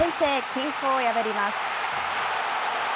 均衡を破ります。